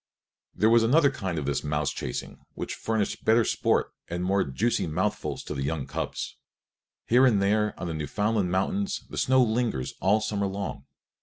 There was another kind of this mouse chasing which furnished better sport and more juicy mouthfuls to the young cubs. Here and there on the Newfoundland mountains the snow lingers all summer long.